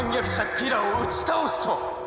ギラを打ち倒すと！」